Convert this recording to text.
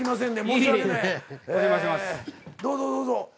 どうぞどうぞ。